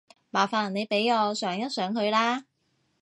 麻煩你俾我上一上去啦